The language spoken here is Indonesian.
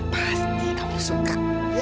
pasti kamu suka